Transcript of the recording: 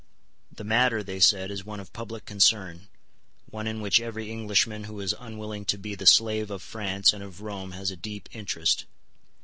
The matter, they said, is one of public concern, one in which every Englishman who is unwilling to be the slave of France and of Rome has a deep interest.